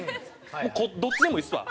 どっちでもいいですわ。